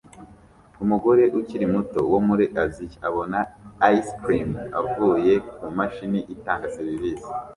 Umugore ukiri muto wo muri Aziya abona ice cream avuye kumashini itanga serivisi